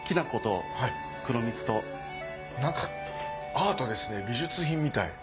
何かアートですね美術品みたい。